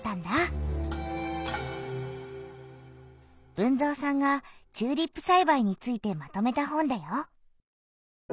豊造さんがチューリップさいばいについてまとめた本だよ。